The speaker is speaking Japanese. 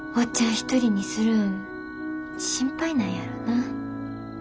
一人にするん心配なんやろな。